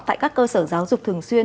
tại các cơ sở giáo dục thường xuyên